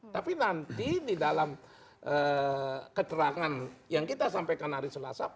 tapi nanti di dalam keterangan yang kita sampaikan hari selasa